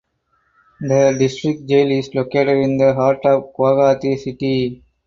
The district jail is located in the heart of Guwahati City.